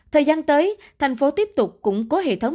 thời gian tới thành phố tiếp tục cũng có hệ thống